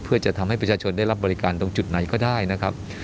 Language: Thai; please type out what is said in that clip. เพื่อจะทำให้ประชาชนได้รับบริการตรงจุดไหนก็ได้นะครับ